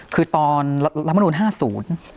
คือตอนรัฐมนุน๕๐